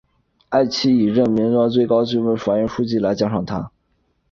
埃奇以任命赫格为州最高法院书记来奖赏他。